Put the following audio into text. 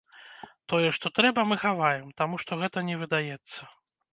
Тое, што трэба, мы хаваем, таму што гэта не выдаецца.